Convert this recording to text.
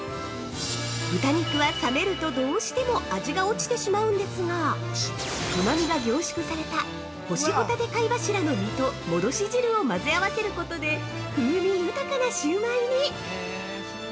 ◆豚肉は冷めると、どうしても味が落ちてしまうんですが、うまみが凝縮された干帆立貝柱の身と戻し汁を混ぜ合わせることで風味豊かなシウマイに！